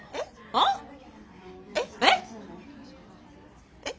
あ？えっ？えっ？えっ？